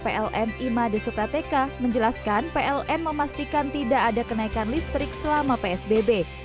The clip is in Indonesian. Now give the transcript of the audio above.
pln imade suprateka menjelaskan pln memastikan tidak ada kenaikan listrik selama psbb